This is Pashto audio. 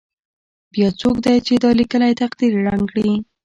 بیا څوک دی چې دا لیکلی تقدیر ړنګ کړي.